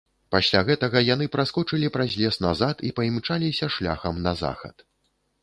Пасля гэтага яны праскочылі праз лес назад і паімчаліся шляхам на захад.